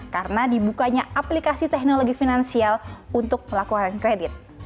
karena dibukanya aplikasi teknologi finansial untuk melakukan kredit